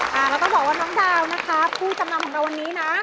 แล้วก็บอกว่าน้องดาวนะคะผู้จำนำของเราวันนี้นะ